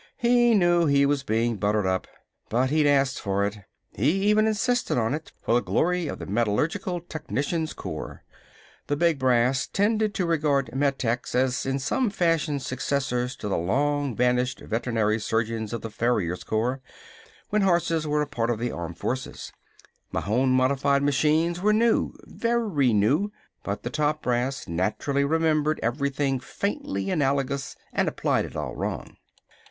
He knew he was being buttered up, but he'd asked for it. He even insisted on it, for the glory of the Metallurgical Technicians' Corps. The big brass tended to regard Metechs as in some fashion successors to the long vanished veterinary surgeons of the Farriers' Corps, when horses were a part of the armed forces. Mahon modified machines were new very new but the top brass naturally remembered everything faintly analogous and applied it all wrong.